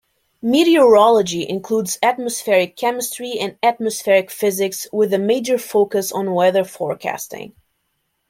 Meteorology includes atmospheric chemistry and atmospheric physics with a major focus on weather forecasting.